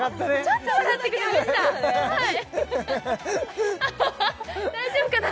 ちょっと笑ってくれました大丈夫かな？